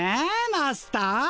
マスター。